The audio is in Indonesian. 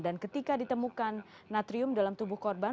dan ketika ditemukan natrium dalam tubuh korban